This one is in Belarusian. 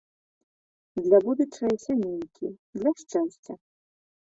Для будучае сямейкі, для шчасця.